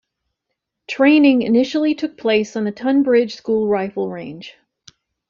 Training initially took place on the Tonbridge School rifle range.